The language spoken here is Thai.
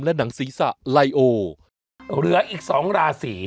เหลืออีกสองราศี